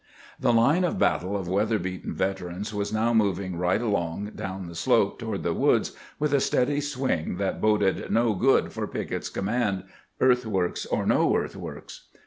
The line of battle of weather beaten veter ans was now moving right along down the slope to 438 CAMPAIGNING WITH GRANT ward the woods with a steady swing that boded no good for Pickett's command, earthworks or no earthworks.